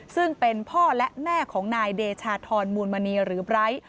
ซึ่งเป็นพ่อและแม่ของนายเดชาธรมูลมณีหรือไบร์ท